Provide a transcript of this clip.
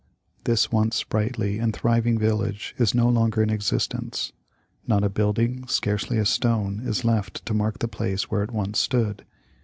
This once sprightly and thriving village is no longer in exist ence. Not a building, scarcely a stone, is left to mark the place where it once stood.